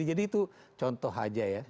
jadi itu contoh aja ya